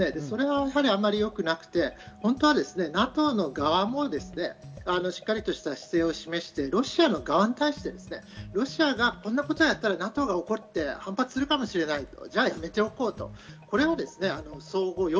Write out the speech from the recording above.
それはやはりあんまりよくなくて本当はＮＡＴＯの側もしっかりとした姿勢を示してロシアの側に対して、ロシアがこんなことをやったらＮＡＴＯが怒って反発するかもしれない。